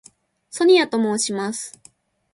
ソニアと申します。